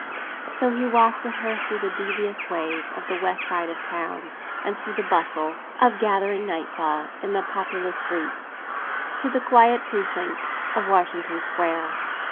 So he walked with her through the devious ways of the west side of the town, and through the bustle of gathering nightfall in populous streets, to the quiet precinct of Washington Square.